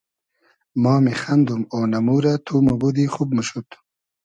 ما میخئندوم اۉنئمو رۂ تو موبودی خوب موشود